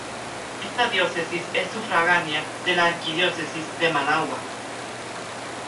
Esta diócesis es sufragánea de la Arquidiócesis de Managua.